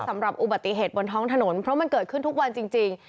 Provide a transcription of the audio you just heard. สำหรับอุบัติเหตุบนท้องถนนเพราะมันเกิดขึ้นทุกวันจริง